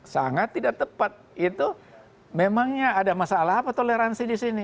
sangat tidak tepat itu memangnya ada masalah apa toleransi di sini